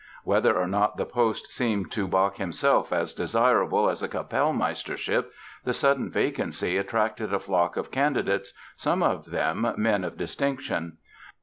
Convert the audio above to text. Whether or not the post seemed to Bach himself as desirable as a Kapellmeistership, the sudden vacancy attracted a flock of candidates, some of them men of distinction.